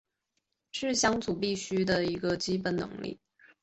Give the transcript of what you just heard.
是相处必须的基本能力